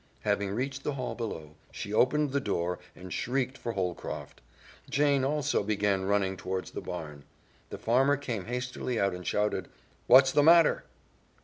Having reached the hall below, she opened the door and shrieked for Holcroft; Jane also began running toward the barn. The farmer came hastily out, and shouted, "What's the matter?"